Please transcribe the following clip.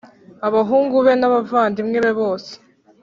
Abahungu be n’abavandimwe be bose